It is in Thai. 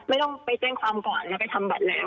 ไม่ต้องไปแจ้งความก่อนแล้วไปทำบัตรแล้ว